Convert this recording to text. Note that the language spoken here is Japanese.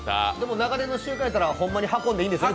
長年の習慣やったらホンマに運んでいいんですね？